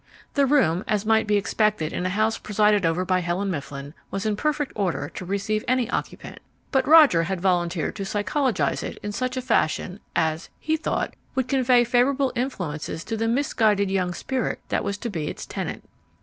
The room, as might be expected in a house presided over by Helen Mifflin, was in perfect order to receive any occupant, but Roger had volunteered to psychologize it in such a fashion as (he thought) would convey favourable influences to the misguided young spirit that was to be its tenant.